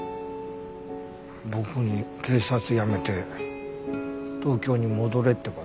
僕に警察辞めて東京に戻れって事？